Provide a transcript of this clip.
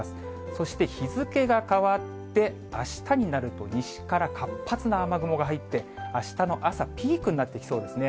そして日付が変わって、あしたになると西から活発な雨雲が入って、あしたの朝、ピークになってきそうですね。